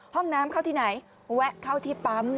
ห้องน้ำเข้าที่ไหนแวะเข้าที่ปั๊ม